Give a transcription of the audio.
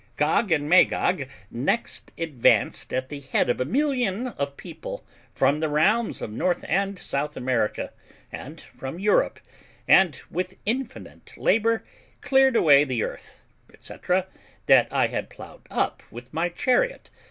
Gog and Magog next advanced at the head of a million of people from the realms of North and South America, and from Europe, and with infinite labour cleared away the earth, &c., that I had ploughed up with my chariot.